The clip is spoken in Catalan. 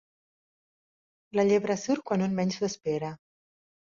La llebre surt quan un menys s'ho espera.